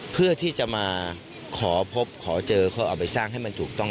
เพื่อที่จะมาขอพบขอเจอเขาเอาไปสร้างให้มันถูกต้อง